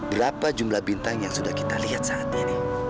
berapa jumlah bintang yang sudah kita lihat saat ini